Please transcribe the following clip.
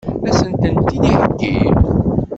Ad sent-tent-id-iheggi?